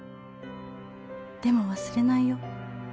「でも忘れないよ」